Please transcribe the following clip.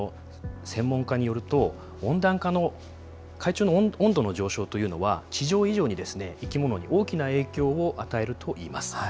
専門家によると、温暖化の、海中の温度の上昇というのは地上以上に、生き物に大きな影響を与えるといいます。